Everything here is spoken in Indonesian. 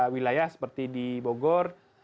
wilayah seperti di bogor